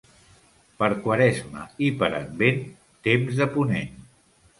Per Quaresma i per Advent, temps de ponent.